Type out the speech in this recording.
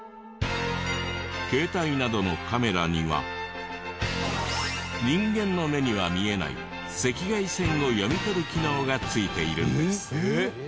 携帯などのカメラには人間の目には見えない赤外線を読み取る機能がついているんです。